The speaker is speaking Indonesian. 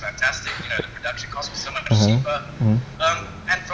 dapatan produksi juga lebih murah